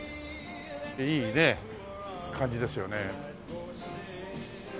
いいね感じですよね。